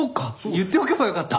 言っておけばよかった。